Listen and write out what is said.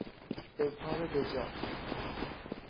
اظهار بجا